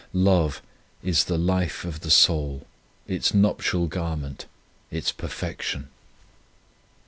Love is the life of the soul, its nuptial garment, its perfection.